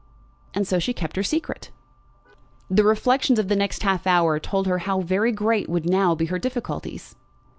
And so she kept her secret. The reflections of the next half hour told her how very great would now be her difficulties.